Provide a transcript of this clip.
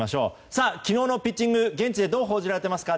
さあ、昨日のピッチング現地でどう報じられていますか。